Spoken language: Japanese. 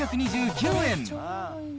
４２９円。